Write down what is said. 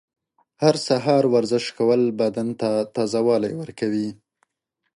هر سهار ورزش کول بدن ته تازه والی ورکوي.